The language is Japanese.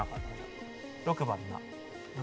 ６番「な」６